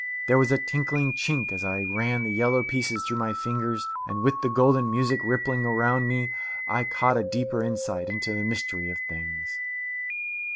There was a tinkling chink as I ran the yellow pieces through my fingers, and with the golden music rippling round me I caught a deeper insight into the mystery of things.